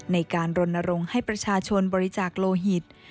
ในการรณรงค์ให้ประชาชนบริจาคโลหิต